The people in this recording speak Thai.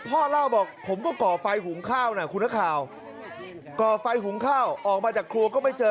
พ่อเล่าบอกผมก็ก่อไฟหุงข้าวนะคุณนักข่าวก่อไฟหุงข้าวออกมาจากครัวก็ไม่เจอ